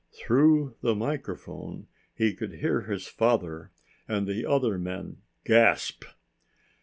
Through the microphone he could hear his father and the other men gasp.